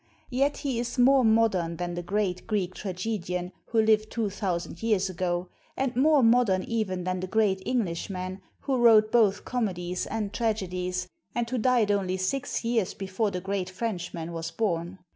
Yet he is more modern than the great Greek tragedian who lived two thousand years ago, and more modern even than the great English man, who wrote both comedies and tragedies, and who died only six years before the great French man was born.